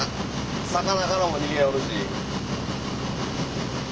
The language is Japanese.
魚からも逃げよるし。